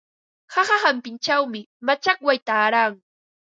Qaqa chawpinchawmi machakway taaran.